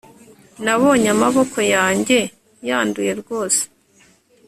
nabonye amaboko yanjye yanduye rwose